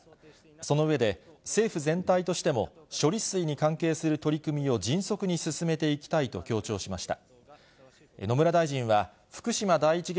その上で、政府全体としても、処理水に関係する取り組みを迅速に進めていきたいと強調しました。